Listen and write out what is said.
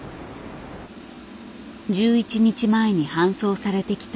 １１日前に搬送されてきた